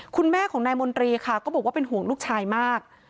คุณแม่ของนายมนตรีค่ะก็บอกว่าเป็นห่วงลูกชายมาก